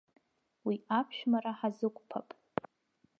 Уи аԥшәмара ҳазықәԥап.